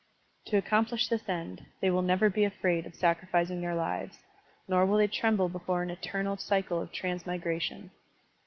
To accomplish this end, they will never be afraid of sacrificing their lives, nor will they tremble before an eternal cycle of transmigration.